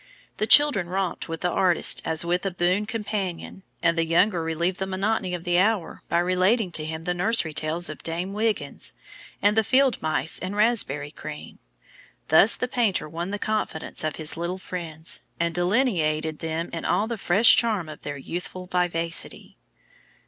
The children romped with the artist as with a boon companion, and the younger relieved the monotony of the hour by relating to him the nursery tales of Dame Wiggins, and the Field Mice and Raspberry Cream. Thus the painter won the confidence of his little friends, and delineated them in all the fresh charm of their youthful vivacity.